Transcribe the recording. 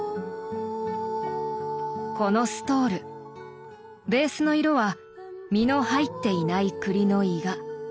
このストールベースの色は実の入っていないクリのイガ。